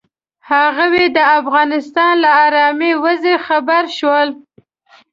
هغوی د افغانستان له ارامې وضعې خبر شول.